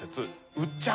「うっちゃん」。